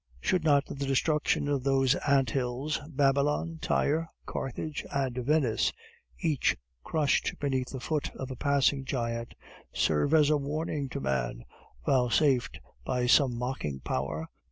"Should not the destruction of those ant hills, Babylon, Tyre, Carthage, and Venice, each crushed beneath the foot of a passing giant, serve as a warning to man, vouchsafed by some mocking power?"